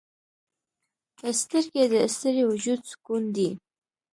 سترګې د ستړي وجود سکون دي